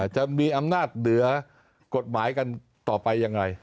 จะมีอำนาจเหนือกฎหมายกันต่อไปยังไง